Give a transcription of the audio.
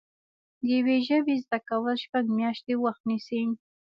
د یوې ژبې زده کول شپږ میاشتې وخت نیسي